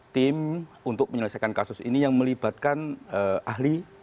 tim untuk menyelesaikan kasus ini yang melibatkan ahli